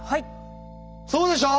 そうでしょう？